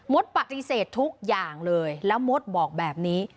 ปฏิเสธทุกอย่างเลยแล้วมดบอกแบบนี้